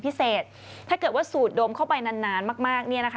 ถ้าเกิดว่าสูดดมเข้าไปนานนานมากมากเนี่ยนะคะ